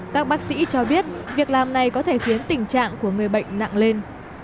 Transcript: các bác sĩ cho biết việc làm này có thể khiến tình trạng của người bệnh nặng lên